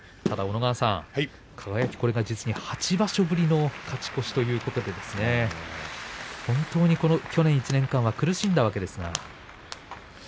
ただ小野川さん、輝は実に８場所ぶりの勝ち越しということで本当に、去年１年間は苦しんだわけですが。